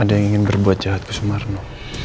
ada yang ingin berbuat jahat ke sumarno